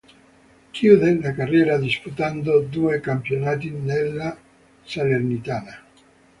Chiude la carriera disputando due Campionati nella Salernitana.